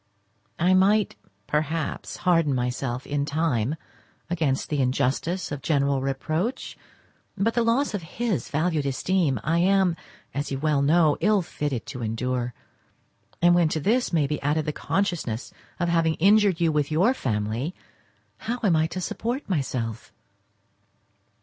I might perhaps harden myself in time against the injustice of general reproach, but the loss of his valued esteem I am, as you well know, ill fitted to endure; and when to this may be added the consciousness of having injured you with your family, how am I to support myself?